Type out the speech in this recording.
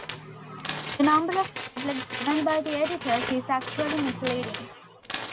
The number of "tablets" given by the editors is actually misleading.